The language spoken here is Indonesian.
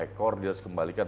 setelah itu dia besarkan ke alam